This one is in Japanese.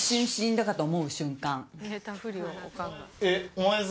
お前さ